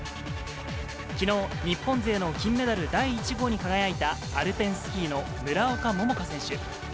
きのう、日本勢の金メダル第１号に輝いた、アルペンスキーの村岡桃佳選手。